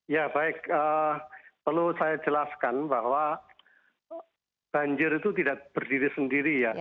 ya baik perlu saya jelaskan bahwa banjir itu tidak berdiri sendiri ya